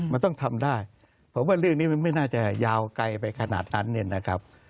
มันต้องทำได้เพราะว่าเรื่องนี้มันไม่น่าจะยาวไกลไปขนาดนั้นเนี่ยนะครับ